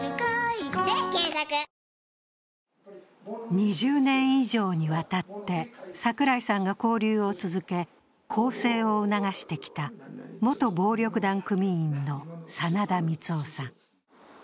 ２０年以上にわたって櫻井さんが交流を続け、更生を促してきた元暴力団組員の真田光男さん。